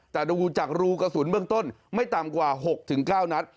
แต่ดูจากรูกระสุนเบื้องต้นไม่ต่ำกว่า๖๙นัด